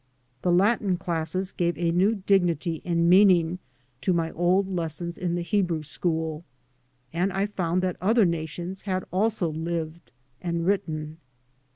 The Latin classes gave a new dignity and mean ing to my old lessons in the Hebrew school, and I found that other nations had also lived and written.